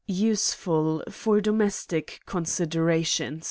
. useful for domestic considerations.